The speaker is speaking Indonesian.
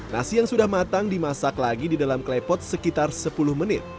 nasi yang sudah matang dimasak lagi di dalam klepot sekitar sepuluh menit